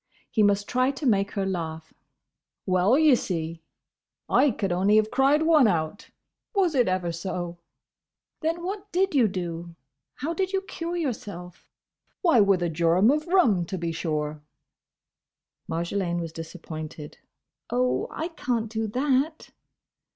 He must try to make her laugh. "Well, ye see, I could only have cried one out, was it ever so!" "Then what did you do? How did you cure yourself?" "Why, with a jorum of rum, to be sure!" Marjolaine was disappointed. "Oh!—I can't do that!"